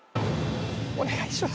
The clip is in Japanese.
お願いします！